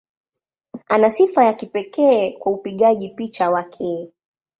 Ana sifa ya kipekee kwa upigaji picha wake.